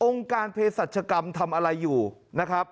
การเพศรัชกรรมทำอะไรอยู่นะครับ